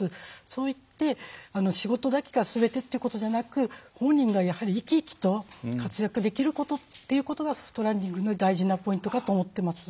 そういって仕事だけがすべてということじゃなく本人がやはり生き生きと活躍できるっていうことがソフトランディングの大事なポイントかと思っています。